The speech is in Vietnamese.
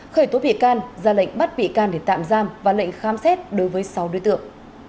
khởi tố bị can ra lệnh bắt bị can để tạm giam và lệnh khám xét đối với sáu đối tượng